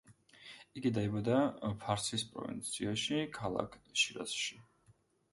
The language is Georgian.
იგი დაიბადა ფარსის პროვინციაში, ქალაქ შირაზში.